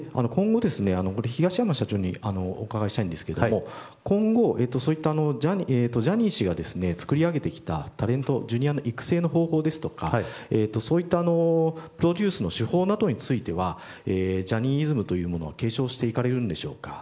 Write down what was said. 東山社長にお伺いしたいんですが今後、そういったジャニー氏が作り上げてきたタレント、Ｊｒ．の育成の方法ですとかプロデュースの手法などについてはジャニーイズムというものは継承していかれるのでしょうか。